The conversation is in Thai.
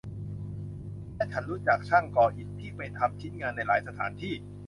และฉันรู้จักช่างก่ออิฐที่ไปทำชิ้นงานในหลายสถานที่